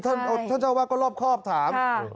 ท่านเจ้าวาดก็รอบครอบถาม